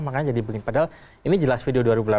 makanya jadi begini padahal ini jelas video dua ribu delapan belas